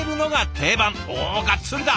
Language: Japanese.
おおがっつりだ！